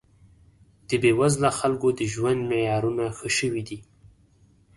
د بې وزله خلکو د ژوند معیارونه ښه شوي دي